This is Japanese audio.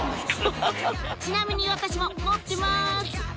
ちなみに私も持ってます